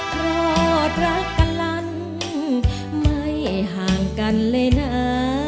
เพราะรักกันลันไม่ห่างกันเลยนะ